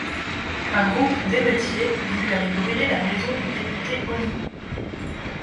Un groupe d’émeutiers voulut aller brûler la maison du député honni.